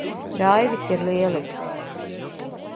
Raivis ir lielisks.